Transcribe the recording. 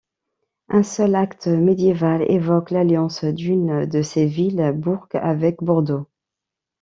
Un seul acte médiéval évoque l'alliance d'une de ces villes, Bourg, avec Bordeaux.